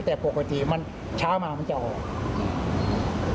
แต่ปกติมันเช้ามามันจะออก